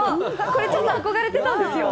これ、ちょっと憧れてたんですよ。